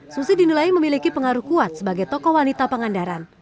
susi dinilai memiliki pengaruh kuat sebagai tokoh wanita pangandaran